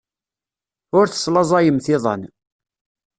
Ur teslaẓayemt iḍan.